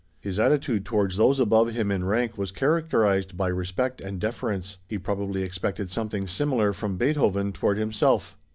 His attitude toward those above him in rank was characterized by respect and deference; he probably expected something similar from Beethoven toward himself.